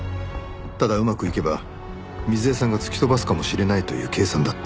ただうまくいけば瑞枝さんが突き飛ばすかもしれないという計算だった。